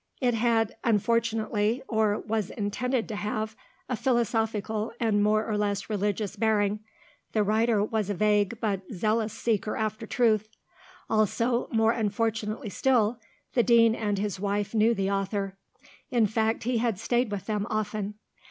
It had, unfortunately, or was intended to have, a philosophical and more or less religious bearing (the writer was a vague but zealous seeker after truth); also, more unfortunately still, the Dean and his wife knew the author; in fact, he had stayed with them often.